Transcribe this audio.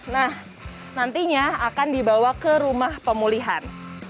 nah nantinya akan dibawa ke rumah pemulihan